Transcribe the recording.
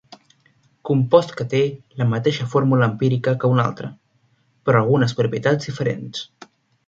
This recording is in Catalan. Compost que té la mateixa fórmula empírica que un altre, però algunes propietats diferents.